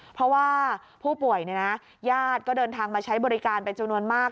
เพราะว่าผู้ป่วยญาติก็เดินทางมาใช้บริการเป็นจำนวนมาก